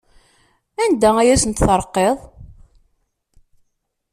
Anda ay asent-terqiḍ?